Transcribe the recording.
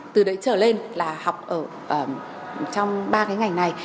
từ đấy trở lên là học ở trong ba cái ngành này